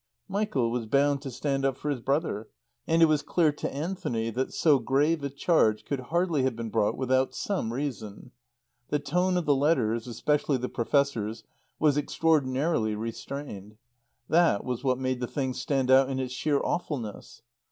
Michael was bound to stand up for his brother, and it was clear to Anthony that so grave a charge could hardly have been brought without some reason. The tone of the letters, especially the Professor's, was extraordinarily restrained. That was what made the thing stand out in its sheer awfulness.